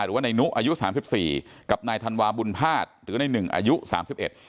หรือว่าในนุอายุสามสิบสี่กับนายธันวาบุญภาษณ์หรือในหนึ่งอายุสามสิบเอ็ด